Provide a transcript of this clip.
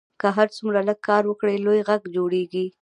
که هر څوک لږ کار وکړي، لوی غږ جوړېږي.